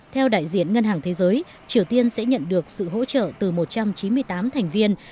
theo đại diện ngân hàng thế giới triều tiên sẽ nhận được sự hỗ trợ từ một trăm chín mươi tám thành viên